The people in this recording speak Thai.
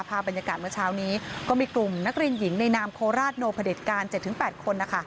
บรรยากาศเมื่อเช้านี้ก็มีกลุ่มนักเรียนหญิงในนามโคราชโนพระเด็จการ๗๘คน